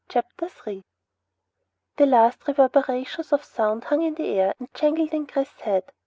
CHAPTER 3 The last reverberations of sound hung in the air and jangled in Chris's head.